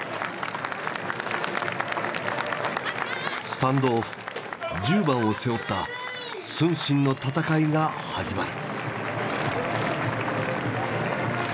スタンドオフ１０番を背負った承信の戦いが始まる。